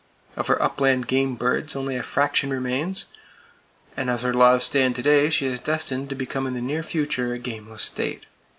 Of her upland game birds, only a fraction remains, and as her laws stand to day, she is destined to become in the near future a gameless state.